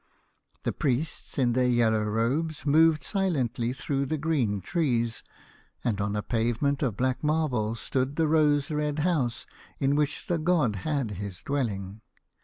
The priests in their yellow robes moved silently through the green trees, and on a pavement of black marble stood the rose red house in which the god had his dwelling.